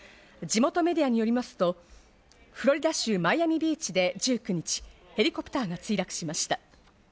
地元メディアによりますとフロリダ州マイアミビーチで１９日、ヘリコプターが墜落しました。